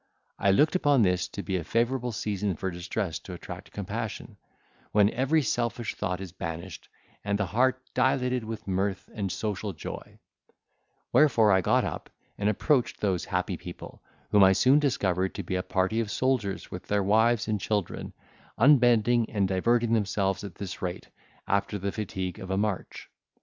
I looked upon this to be a favourable season for distress to attract compassion, when every selfish thought is banished, and the heart dilated with mirth and social joy; wherefore I got up, and approached those happy people, whom I soon discovered to be a party of soldiers, with their wives and children, unbending and diverting themselves at this rate, after the fatigue of a march.